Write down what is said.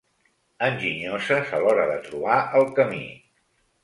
Enginyoses a l'hora de trobar el camí.